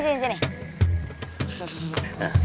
yang udah beli